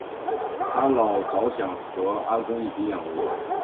她老著想和阿公一起养鹅